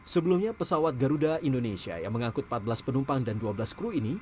sebelumnya pesawat garuda indonesia yang mengangkut empat belas penumpang dan dua belas kru ini